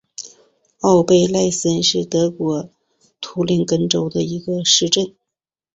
奥贝赖森是德国图林根州的一个市镇。